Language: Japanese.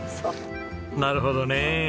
なるほどねえ。